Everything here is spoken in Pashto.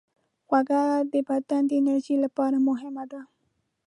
خوږه د بدن د انرژۍ لپاره مهمه ده.